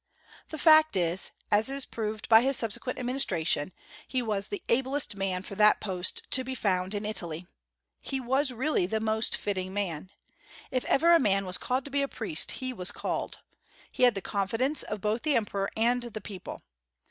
The fact is, as proved by his subsequent administration, he was the ablest man for that post to be found in Italy. He was really the most fitting man. If ever a man was called to be a priest, he was called. He had the confidence of both the emperor and the people.